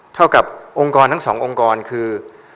เท่ากับองค์กรทั้งสององค์กรคือ